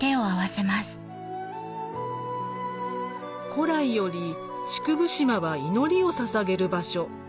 古来より竹生島は祈りをささげる場所